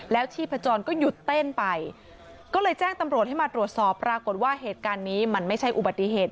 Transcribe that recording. แล้วชีพจรก็หยุดเต้นไปก็เลยแจ้งตำรวจให้มาตรวจสอบปรากฏว่าเหตุการณ์นี้มันไม่ใช่อุบัติเหตุ